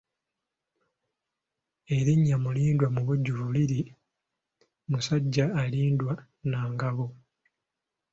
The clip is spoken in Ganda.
Erinnya Mulindwa mu bujjuvu liri Musajja alindwa na ngabo.